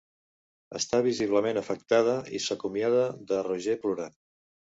Està visiblement afectada i s'acomiada de Roger plorant.